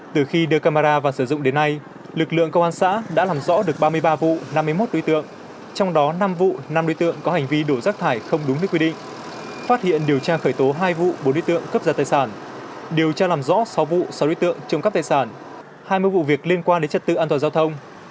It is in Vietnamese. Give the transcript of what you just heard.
từ khi đưa camera vào sử dụng đến nay lực lượng công an xã đã làm rõ được ba mươi ba vụ năm mươi một đối tượng trong đó năm vụ năm đối tượng có hành vi đổ rác thải không đúng nơi quy định phát hiện điều tra khởi tố hai vụ bốn đối tượng cấp ra tài sản điều tra làm rõ sáu vụ sáu đối tượng trộm cắp tài sản hai mươi vụ việc liên quan đến trật tự an toàn giao thông